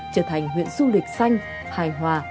trở thành huyện du lịch xanh hài hòa